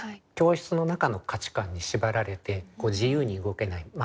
教室の中の価値観に縛られて自由に動けない。